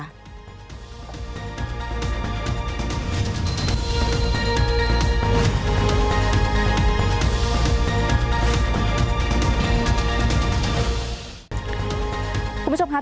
ดีตรัส๒ลูกคนสดใส